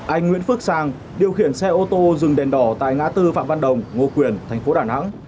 anh nguyễn phước sàng điều khiển xe ô tô dừng đèn đỏ tại ngã tư phạm văn đồng ngô quyền tp đà nẵng